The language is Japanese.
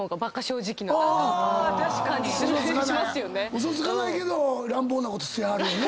ウソつかないけど乱暴なことしはるよね。